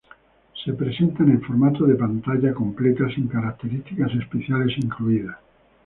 Se presentan en formato de pantalla completa sin características especiales incluidas.